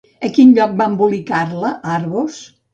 A quin lloc va embolicar-la Argos?